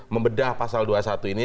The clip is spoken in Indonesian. membedah pasal dua puluh satu ini